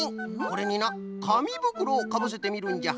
これになかみぶくろをかぶせてみるんじゃ。